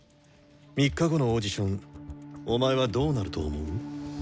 ３日後のオーディションお前はどうなると思う？